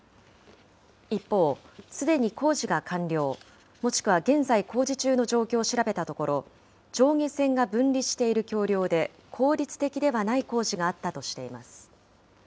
一方、すでに工事が完了、もしくは現在工事中の状況を調べたところ、上下線が分離している橋りょうで効率的ではない工事があったとしています。